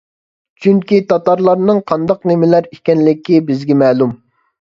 چۈنكى تاتارلارنىڭ قانداق نېمىلەر ئىكەنلىكى بىزگە مەلۇم.